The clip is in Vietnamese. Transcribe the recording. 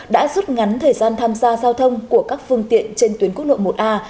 đã rút ngắn thời gian tham gia giao thông của các phương tiện trên tuyến quốc lộ một a